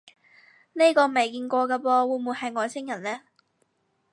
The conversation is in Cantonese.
呢個未見過嘅噃，會唔會係外星人呢？